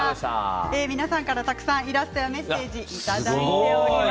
皆さんからたくさんのイラストやメッセージいただいています。